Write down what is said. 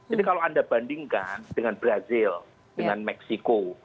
jadi kalau anda bandingkan dengan brazil dengan meksiko